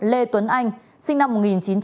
lê tuấn anh sinh năm một nghìn chín trăm tám mươi